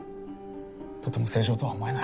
とても正常とは思えない。